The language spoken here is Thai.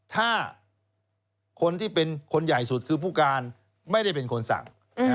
ถ้าคนที่เป็นคนใหญ่สุดคือผู้การไม่ได้เป็นคนสั่ง